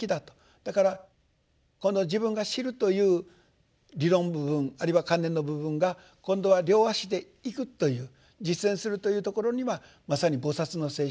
だからこの自分が知るという理論部分あるいは観念の部分が今度は両足で行くという実践するというところにはまさに菩薩の精神。